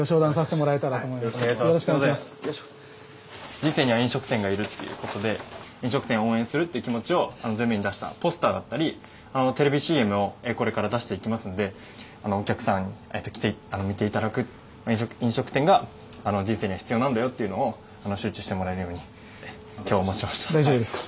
人生には飲食店がいるっていうことで飲食店を応援するっていう気持ちを前面に出したポスターだったりテレビＣＭをこれから出していきますんでお客さんに来て見て頂く飲食店が人生には必要なんだよっていうのを周知してもらえるように今日お持ちしました。大丈夫ですか？